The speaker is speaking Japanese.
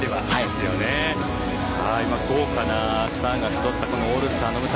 豪華なスターが集ったオールスターの舞台。